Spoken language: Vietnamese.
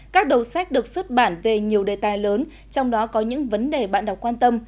các đầu sách được xuất bản về nhiều đề tài lớn trong đó có những vấn đề bạn đọc quan tâm